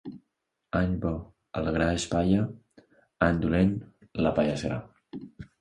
Any bo, el gra és palla; any dolent, la palla és gra.